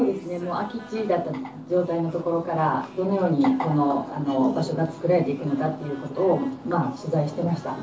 空地だとかの状態のところからどのようにこの場所が作られていくのかっていうことを取材してました。